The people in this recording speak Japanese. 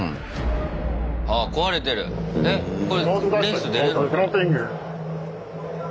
これレース出れるのかな？